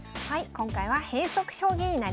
今回は変則将棋になります。